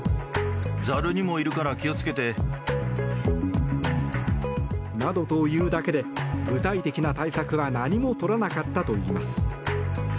ざるにもいるから気をつけて。などと言うだけで具体的な対策は何も取らなかったといいます。